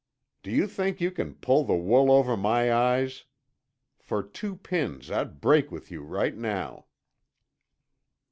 Do you think you can pull the wool over my eyes? For two pins I'd break with you right now."